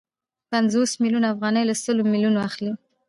پنځوس میلیونه افغانۍ له سلو میلیونو اخلي